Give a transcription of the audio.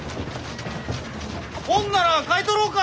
本なら買い取ろうか？